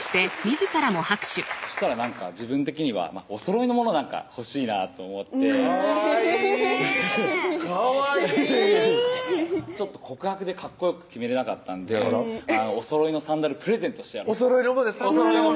そしたらなんか自分的にはおそろいのものなんか欲しいなと思ってかわいいかわいい告白でかっこよく決めれなかったんでおそろいのサンダルプレゼントおそろいのものでサンダル買うの？